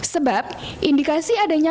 sebab indikasi adanya